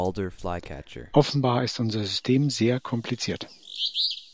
Offenbar ist unser System sehr kompliziert.